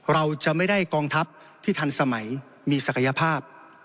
เราจะไม่ได้กองทัพที่ทันสมัยมีศักยภาพ